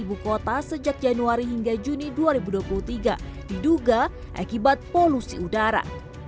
ibu kota sejak januari hingga juni dua ribu dua puluh tiga diduga akibat polusi udara